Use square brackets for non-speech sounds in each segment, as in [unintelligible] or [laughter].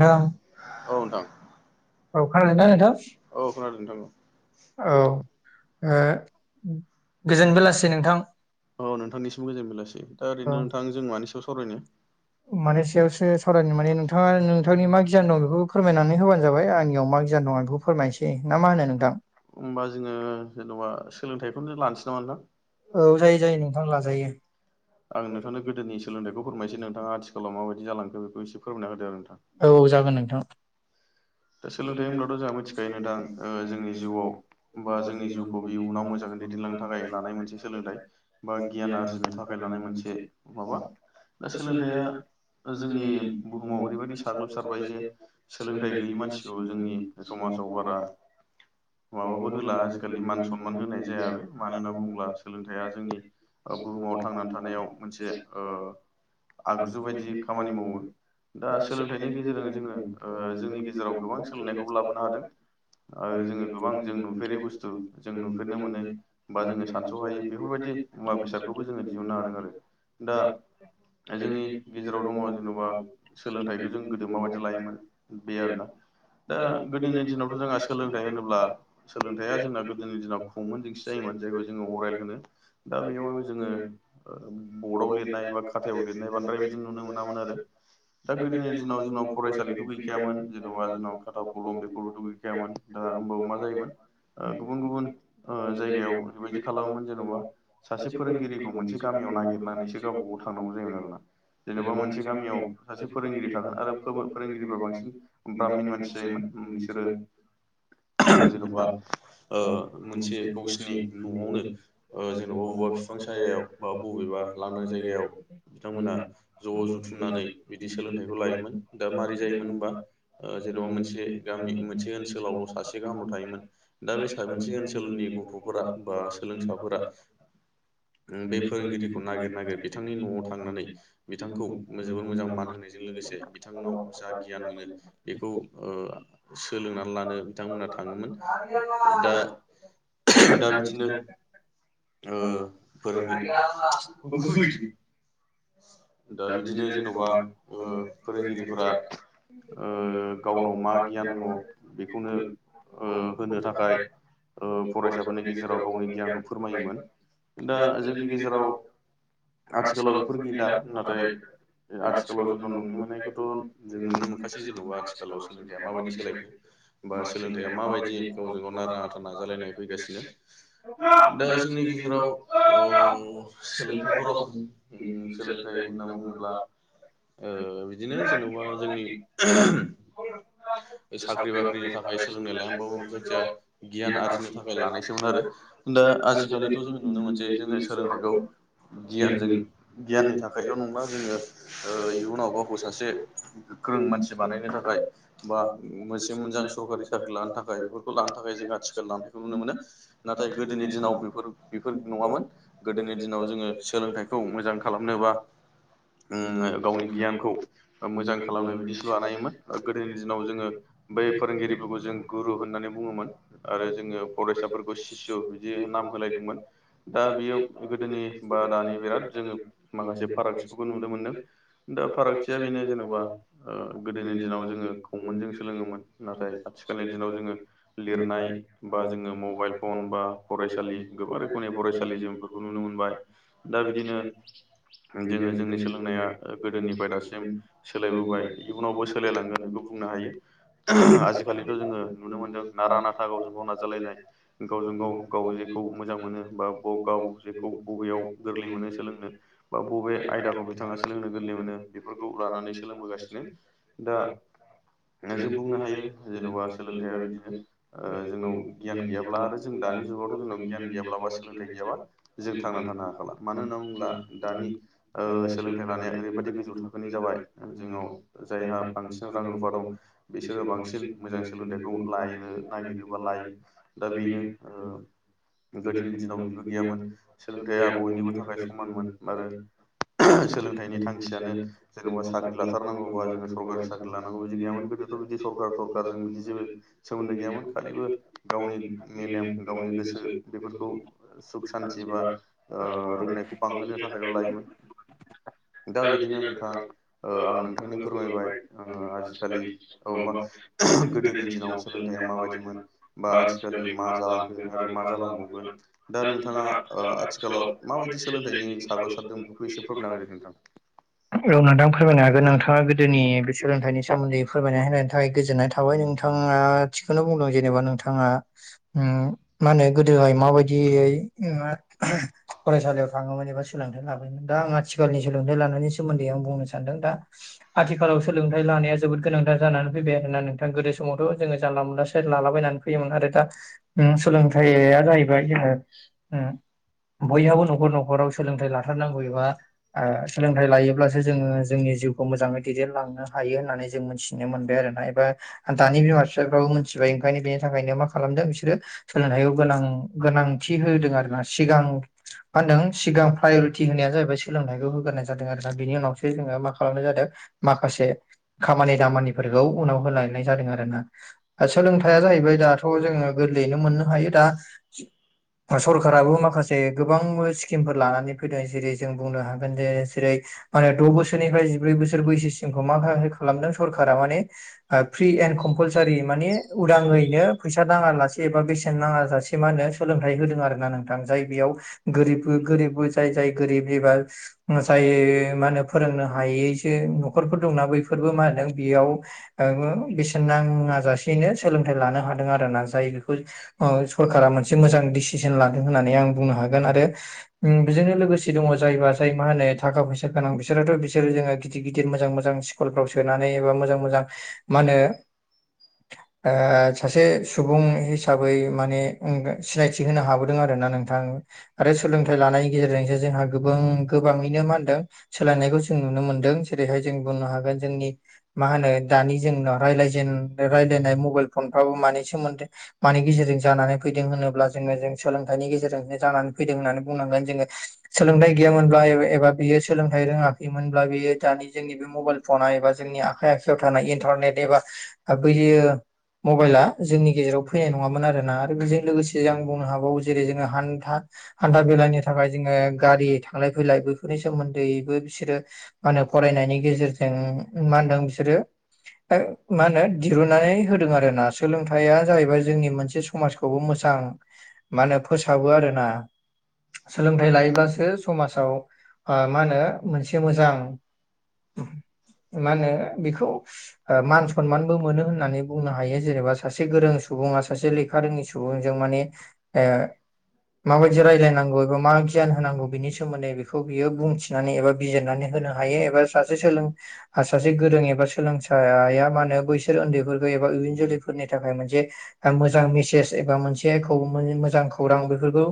न औ नोथां औ खोन दा नोंथां? औ खोनादों नोंथां। औ गोजोन बेलासि नोंथां। औ नोंथांनिसिम गोजोन मोनलासै दा ओरैनो नोंथां जों मानि सायाव सावरायनो। माने सयावसो सावरायनि माने नोंथांङा नोंथांनि मा गियान दं बेखौबो फोरमायनानै होबानो जाबाय आंनियाव मा गियान दं आं बेखौ फोरमायनोसै ना मा होनो नोंथां। होमबा जोंङो जेन'बा सोलोंथाइखौनो लानोसै नामोनदां औ जायो जायो नोंथां। लाजायो आं नोंथांनो गोदोनि सोलोंथखौमायसै नोंथांङा आथिखालाव माबायदि जालांखो बे एसे फोरमायना हो आरो नोंथां। औ औ जागोन नोंथां। दा सोलोंथाइ होनब्लाथ' जोंहा मिथिखायो नंडा जोंनि जिउआव बा जोंनि जिउ गुबयुनाव मोजांङै दैदेनलांनो थाखाय लानाय मोनसे सोलोंथाइ बा गियान आरजिनो थाखाय लानाय मोनसे माबा दा सोलोंथाइया जोंनि बुहुमाव ओरैबायदि साग्लोब ससारबाय जे सोलोंथाइ गैयि मानसिखौ जोंनि समाजाव बारा माबाबो होला आजिखालि मान सनमान होनाय जाय। बे मानो होनना बुंङोब्ला सोलोंथाइया जोंनि बुहुमाव थांनानै थानायाव मोनसे आगजु बायदि खामानि मावो दा सोलोंथाइनि गेजेरजों जोंङो जोंनि गेजेराव गेजेराव गोबां सोलोंनायखौबो लाबोनो हादों आरो जोंङो गोबां जों नुफेरि बुस्थु जों नुफेरनो मोनै बा जोंङो सानस' हायो बेफोरबायदि मुवा बेसादखौबो जोंङो दिहुननो हादों आरो। दा दाय जोंनि गेजेराव गेजेराव दङ दंङ जेन'बा जेनेबा सोलोंथाइखौ जों सोलोंथाइ गोदो माबायदि लायोमोन बे आरो ना दा गोदोनि दिनावथ' जोंहा सोलोंथाइ होनोब्ला सोलोंथाइया जोंना गोदोनि दिनाव फंमोन जोंसो जायोमोन जायखौ जोंङो अराइेल होनो दा बेयाव जोंङो बर्डआव लिरनाय बा खाथायाव लिरनाय बांद्राय बिदि नुनो मोनामोन आरो। दा गोदोनि दिनाव जोंनाव फरायसालिथ' गैखायामोन। जेन'बा जोंनाव खाथाव फलम बेफोरथुगैखायामोन दा होमबावो मा जायोमोन गुबुन गुबुन जायगायाव बेरबायदि खालामोमोन जेनेबा सासे फोरोंगिरिखौ मोनसे गामियाव नागिरनानै गावब गाव थांनांगौ जायोमोन आरोोना जेनेबा मोनसे गामियाव सासे फोरोंगिरि थागोन आरो फोरोंगिरिफ्रा बांसिन ब्र्मिन मानसि जायोमोन बिसोरो जेन'बा मोनसे गावसिनि न'आवनो जेनेबा बबेबा बिफां सायाव बा बबेबा लांदां जायगायाव बिथांमोना ज' जुथुमनानै बिदि सोलोंथाइखौ लायोमोन दा माबारै जायोमोन होनोमबा जेन'बा मोनसे गामि मोनसे ओनसोलावल' सासे गाहामल' थायोमोन दा बे स मोनसे ओनसोलनि गथ' फोर बा सोलोंसाफोरा बे फोरोंगिरिखौ नागिर नागिर बिथांनि न'आव थांनानै बिथांखौ जोबोर मोजां मान होनायजों लोगोसे बिथांनाव जा गियान मोनो बेखौ सोलोंनानै लानो बिथांमोना थाङोमोन दा [unintelligible] फोरोंगिरि दा बिदिनो जेन'बा फोरोंगिरिफोरा गावनाव मा गियान दङ बेखौनो होनो थाखाय फरायसाफोरनि गेजेराव गावनि गियानखौ फोरों [unintelligible] दा जोंनि गेजेराव आथिखालाव बेफोर गैला [unintelligible] बे आथिखालाव जोंनाव नुनो मोननायखौथ' जों नुनो मोनखासै जेन'बा आथिखालाव सोलोंथाइया माबायदि सोलायखो बा सोलोंथाइया माबायदि गावजों गाव नारा नाथा नाजालायनाय फैगासिनो औ दा जोंनि गेजेराव सोलोंथाइफोरावों होनना बुङोब्ला बिदिनो जेनेबा जोंनि साख्रि बाख्रिनि थाखाय सोलोंनाय लायबाबो जायखिजाया गियान आरजिनो थाखाय लानायसोमोन आरो दा आजिखालिथ' जोङो नुनो मोनसेे जोङो सोलोंथाइखौ गियानजों गियाननि थाखाय बेयाव नंला जोङो इयुनाव गावखौ सासे गोख्रों मानसि बानायनो थाखाय बा मोनसे मोजां सरकारि साख्रि लानो थाखाय बेफोरखौ लानो थाखाय जों आथिखाल लानायखौ नुनो मोनो नाथाय गोदोनि दिनाव बे बेफोर नङामोन गोदोनि दिनाव जोङो सोलोंथाइखौ मोजां खालामनोबा गावनि गियानखौ मोजां खालामनाय बिदिसो लानायोमोन गोदोनि दिनाव जोङो बै फोरोंगिरिफोरखौ जों गुरु होननानै बुङोमोन आरो जोङो फरायसाफोरखौ सिसु बिदि नाम होनो दा बेयो गोदोनि बा दानि बिराद जोङो माखासे पाल्टिफोरखौ नुनो मोनदों दा फारागथिया बेनो जेन'बा गोदोनि दिनाव जोङो कौमोनजों सोलोङोमोन नाथाय आथिखालनि दिनाव जोङो लिरनाय बा जोङो मबाइल फन बा फराय फरायसालि गोबां रोखोमनि फरायसालि जों बेफोरखौ नुनो मोनबाय दा बिदिनो जोङो जोंनि सोलोंनाया गोदोनिफ्राय दासिम सोलायबोबाय इयुनावबो सोलायलांगोन बेखौ बुंनो हायो आजिखालिथ' जोङो नुनो मोनदों नारा नाथा गावजों गाव नाजालायनाय गावजों गाव गाव जेखौ मोजां मोनो बा ब गाव जेखौ बबेयाव गोरलै मोनो सोलोंनो बा बबे आयदाखौ बिथाङा सोलोंनो गोरलै मोनो बेफोरखौ लानानै सोलोंबोगासिनो दा जों बुंनो हायो जेन'बा सोलोंथाइया बिदिनो जोंनाव गियान गैयाब्ला आरो जों दानि जुगावथ' जोंन गिय गयाब्ला बा सोलोंथाइ गैयाबा जों थांनानै थानो हाखाला मानो होनना बुोब्ला दानि सोलोंथाइ लानाया ओरैबायाददि गोजौ थाखोनि जाबाय जोंनाव जायहा बांसिन रां रुफा दं बिसोरो बांसिन मोजां सोलोंथाइखौ लायनो नागिरो बा लायो दा बेनो गोदोनि दिनाव बिबो गैयामोन सोलोंथाइआ बयनिबो थाखाय समानमोन आरो [unintelligible] सोलोंथाइनि थांखियानो जेनेबा साख्रि लाथारनांगौबा जोङो सरकारि साख्रि लानांगौ बिदि गैयामोन गोदो बे बिदि सरखारजों बिदि जेबो सोमोन्दो गैयामोन खालिबो गावनि मेलेम गावनि गोसो बेफोरखौ सुख सान्थि बा रोंनायखौ बांहोनो थाखायल' लायोमोन दा बिदिनो नोंथां आं नोंथांनो फोरमायबाय आजिखालि मा गोदोनि दिनावसो सोलोंथाइा मााबायदिमोन बा आथिखााललि मा जालांखो आरो मा जालांबावगोन दा नोंथाङा आथिखालाव माबायदि सोलोंथाइनि स [unintelligible] औ नोंथां फोरमायनो हागोन नोंथाङा गोदोनि बे सोलोंथाइनि सोमोन्दै फोरमायनाय होनायनि थाखाय गोजोननाय था थाबाय नोंथाङा थिखौनो बुंदों जेनेबा नोंथाङा मा होनो गोदोहाय माबायदि फरायसालियाव थाङोमोन एबा सोलोंथाइ लाबायमोन दा आं आथिखालनि सोलोंथाइ लानायनि सोमोन्दै आं बुंनो सानदों दा आथिखालाव सोलोंथाइ लानाया जोबोद गोनांथार जानानै फैबाय आरोना नोंथां गोदो समावथ' जोङो जानला मोनलासे लालाबायनानै फैयोमोन आरो दा सोलोंथाइया जाहैबाय जोङो बयहाबो न'खर न'खराव सोलोंथाइ लाथारनांगौ एबा सोलोंथाइ लायोब्लासो जोङो जोंनि जिउखौ मोजाङै दैदेनलांनो हायो होननानै जों मिथिनो मोनबाय आर ना एबा दानि बिमा बिफाफ्राबो मिथिबाय ओंखायनो बेनि थाखायनो मा खालामदों बिसोरो सोलोंथाइखौ गोनां गोनांथि होदों आरोोना सिगां मा होनदों सिगां प्रायरिटि होनाया जाहैबाय सोलोंथाइखौ होग्रोनाय जादों आरो दा बिनि उनावसो जोङो मा खालामनाय जादों माखासे खामानि दामानिफोरखौ उनाव होलायनाय जादों आरो ना सोलोंथायाइया जाहैबाय दाथ' जोङो गोरलैयैनो मोननो हायो दा सरखाराबो माखासे गोबां सकिम लानानै फै जेरै जों बुंनो हागोन जे जेरै म द' बोसोरनिफ्राय जिब्रै बोसोर बैसोनि खौ म खालामदों सरकारा माने फ्रि एणड कम्पालसारि माने उदाङैनो फैसा नाङा लासे एबा बेसेन नाङा जासे मा होन सोलोंथाइ होदों आरो ना नोंथां जाय बेयाव गोरिब गोरिबबो जाय जाय गोरिब एबा मोसायो मा होनो फोरोंनो हायैसो न'खरफोर दंना बैफोरबो मा होनदों बेयाव बेसेन नाङा जासेैनो सोलोंथाइ लानो हादों आर ना जाय बेखौ सरकारा मोनसे मोजां डिसिसन लादों होननानै आं बुंनो हागोन आरो बेजोंनो लोगोसे दङ जायबा जाय मा होनो थाखा फैसा गोनां बिसोराथ' बिसोर जोङो गिदिर गिदिर मोजां मोजां स्कुलफ्राव सोनानै एबा मोजां मोजां मा होनो सासे सुबुं हिसाबै माने सिनायथि होनो हाबोदों आरोना नोंथां आरो सोलोंथाइ लानायनि गेजेरजोंसो जोंहा गोबां गोबाङैनो मा होनदों सोलायनायखौ जों नुनो मोन्दों जेरैहाय जों बुंनो हागोन जोंनि मा होनो दानि जोंनाव रायायेन रायलायनाय मबाइल फनफ्राबो मानि सोमोन्दै मानि गेजेरजों जानानै फैदों होनोब्ला जोङो जों सोलोंथाइनि गेजेरजोंनो जानानै फैदों होननानै बुंनांगोन जोङो सोलोंथाइ गैयामोनब्ला एबा बियो सोलोंथाइ रोङाखैमोनब्ला बेयो दानि जोंनि बे मबाइल फनाय एबा जोंनि आखाइ आखायाव थानाय इन्टारनेट एबा बैयो मबाइला जोंनि गेजेराव फैनाय नङामोन आरोना आरो बेजों लोगोसे आं बुंनो हाबावो जेरै जोङो हान्था हान्था बेलाइनि थाखाय जोङो गारि थांलाय फैलाय बेफोरनि सोमोन्दैबो बिसोरो मा होनो फरायनायनि गेजेरजों मा होनदों बिसोरो मा होनो दिरुननानै होदों आरो ना सोलोंथाइया जाहैबाय जोंनि मोनसे समाजखौबो मोजां म होने फोसाबो आरोना सोलोंथाइ लायोब्लासो समाजाव मा होनो मोनसे मोजां मा होनो बेखौ मान सनमानबो मोनो होननानै बुंनो हायो जेनेबा सासे गोरों सुबुङा सासे लेखा हारिनि सुबुंजों माने ओ माबायदि न एबा मा गियान होनांगौ बिनि सोमोन्दै बेखौ बियो बुंथिनानै एबा बिजिरनानै होनो हायो एबा स जे सोलों आ सासे गोरों एबा सोलोंसाया मा होनो बैसोर उन्दैफोरखौ एबा इयुन जोलैफोरनि थाखाय मोनसे आं मोजां मेसेज एबा मोनसे खौमोन मोजां खौरां बेफोरखौ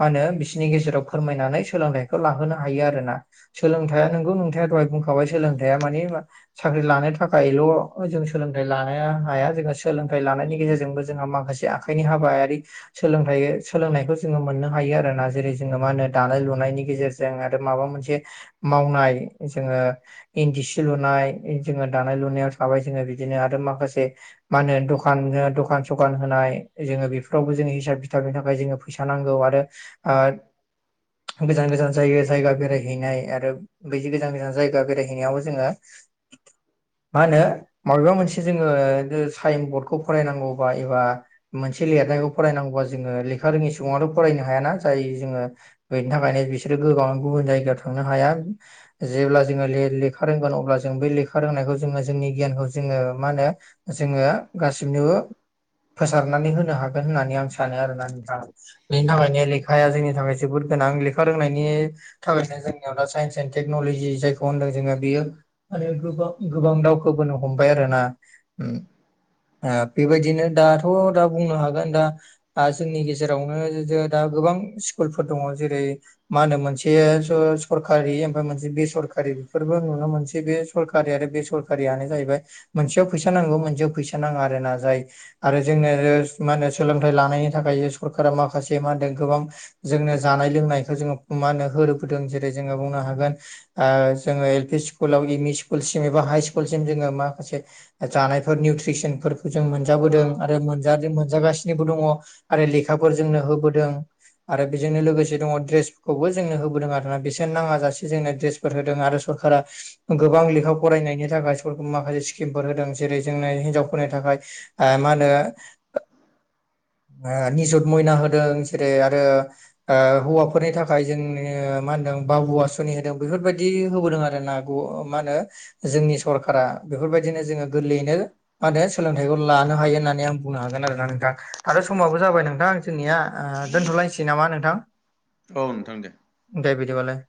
मा होनो बिसोरनि गेजेराव फोरमायनानै सोलोंथाइखौ लाहोनो हायो आरोना सोलोंथाइया नोंगौ नोंथाङा दहाय बुंखाबाय सोलोंथाइया मानि मा साख्रि लानो थाखायल' जों सोलोंथाइ लानो हाया जोङो सोलोंथाइ लानायनि गेजेरजोंबो जोंहा माखासे आ खाइनि हाबायारि सोलोंथाइ सोलोंनायखौ जोङो मोननो हायो आरोना जेरै- जोङो मा होनो दानाय लुनायनि गेजेरजों आरो माबा मोनसे मावनाय जोङो इन्दि सि लुनाय जोङो दा नाय लुनायाव थाबाय जोङो बिदिनो आरो माखासे मा होनो दखान दखान सखान होनाय जोङो बेफोरावबो जोङो हिसाब खिथाबनि थाखाय जोङो फैसा नांगौ आरो ओ [unintelligible] गोजान गोजान जायगा जायगा बेरायहैनाय आरो बिदि गोजान गोजान जायगा बेरायहैनायावबो जोङो मा होनो माबेबा मोनसे जोङो साइन बर्डखौ फरायनांगौबा एबा मोनसे लिरनायखौ फरायनांगौबा जोङो लेखा रोङै सुबुंआनो फरायना हायाना जाय जोङो बेनि थाखायनो बिसोरो गोबां गुबुन जायगायाव थांनो हाया। जेब्ला जोङो ले-लेखा रोंगोन अब्ला जों बै लेखा रोंनायखौ जोङो जोंनि गियानखौ जोङो मा होनो जोङो गासिबनोबो फोसाबनानै होनो हागोन होननानै आं सानो आरोना नोंथां बेनि थाखायनो बे लेखाया जोंनि थाखाय जोबोद गोनां लेखा रोंनायनि थाबैनो जोंनियाव दा साइन्स एन्ड टेक्न'लजि जायखौ होनदों जोङो बेयो माने गोबां गोबां दावखोबोनो हमबाय आरोना ओम ओ बेबायदिनो दाथ' दा बुंनो हागोन दा ओ जोंनि गेजेरावनो दा गोबां स्कुलफोर दङ जेरै- मा होनो मोनसे स-सरकारि ओमफ्राय मोनसे बेसरकारि बेफोरबो नुनो मोनसे बे सरखारि आरो बेसरखारियानो जाहैबाय मोनसेयाव फैसा नांगौ मोनसेयाव फैसा नाङा आरोना जाय आरो जोंनो मा होनो सोलोंथाइ लानायनि थाखाय सरका माखासे से मा होनदों गोबां जोंनो जानाय लोंनायखौ जोङो मा होनो होबोदों जेरै- जोङो बुंनो हागोन ओ जोङो एल पि स्कुल आव एम इ सि कुलसिम एबा हाय स्कुलसिम जोङो माखासे जानायफोर निउथ्रिसनफोर जों मोनजाबोदों आरो मोनजा-मोनजागासिनोबो दङ आरो लेखाफोर जोंनो होबोदों। आरो बेजोंनो लोगोसे दङ ड्रेसखौबो जोंनो होबोदों आरोना बेसेन नाङा जासे जोंनो ड्रेस फोर होदों आरो सरकारा गोबां लेखा फरायनायनि थाखाय [unintelligible] माखासे स्किमफोर होदों जेरै- जोंनो हिनजावफोरनि थाखाय ओ मा होनो ओ निजत मयना हो दों जेरै- आरो ओ हौवाफोरनि थाखाय जोंनो मा होनदों बा अवासुनि होदों बेफोरबायदि होबोदों आरो ना गु ओ मा होनो जोंनि सरखारा बेफोरबायदिनो जोङो गोरलैयैनो मा होनो सोलोंथाइखौ लानो हायो होननानै आं बुंनो हागोन आरोना नोंथां आरो समाबो जाबाय नोंथां जोंनिया ओ दोन्थ'लायसै नामा नोंथां? औ नोंथां दे। दे बिदिबालाय।